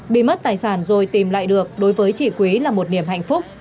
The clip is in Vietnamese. bị mất tài sản rồi tìm lại được đối với chị quý là một niềm hạnh phúc